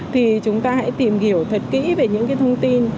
thì chúng ta hãy tìm hiểu thật kỹ về những cái thông tin